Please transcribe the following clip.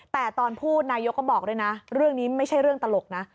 แต่ตอนพูดนายกก็บอกด้วยนะเรื่องนี้ไม่ใช่เรื่องตลกนะ